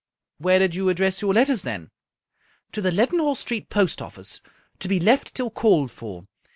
" Where did you address your letters, then ?"" To the Leadenhall Street Post Office, to be left till called for.